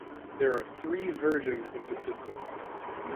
There are three versions of the system.